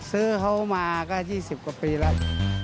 ซื้อเขามาก็๒๐กว่าปีแล้ว